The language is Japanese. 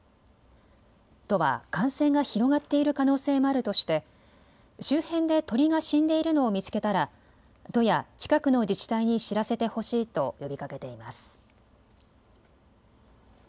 都は感染が広がっている可能性もあるとして周辺で鳥が死んでいるのを見つけたら都や近くの自治体に知らせてほしいと呼びかけています。